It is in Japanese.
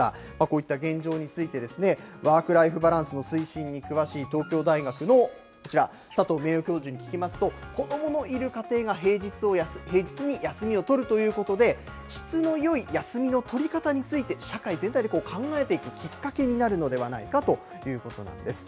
こういった現状について、ワークライフバランスの推進に詳しい東京大学のこちら、佐藤名誉教授に聞きますと、子どものいる家庭が平日に休みを取るということで、質のよい休みの取り方について、社会全体で考えていくきっかけになるのではないかということです。